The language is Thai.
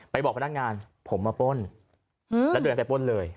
บอกพนักงานผมมาป้นแล้วเดินไปป้นเลย